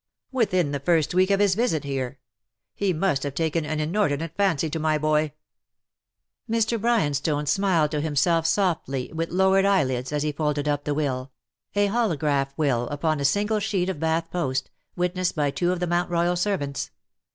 ^^" Within the first week of this visit here. He must have taken an inordinate fancy to my boy." Mr. Bryanstone smiled to himself softly with 72 " DUST TO DUST." lowered eyelids^ as he folded up the will — a holograph will upon a single sheet of Bath post — witnessed by two of the Mount Royal servants.